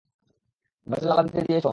ভাজাতে লালা দিয়েছো?